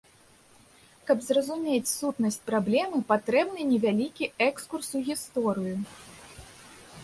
Каб зразумець сутнасць праблемы, патрэбны невялікі экскурс у гісторыю.